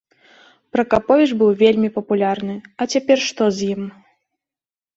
Пракаповіч быў вельмі папулярны, а цяпер што з ім?